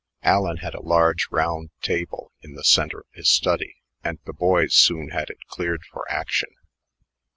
Allen had a large round table in the center of his study, and the boys soon had it cleared for action.